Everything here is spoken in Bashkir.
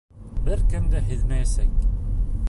Бер кем дә һиҙмәйәсәк.